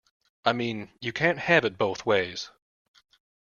I mean, you can't have it both ways.